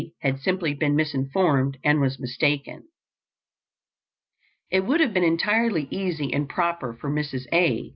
had simply been misinformed and was mistaken. It would have been entirely easy and proper for Mrs. A.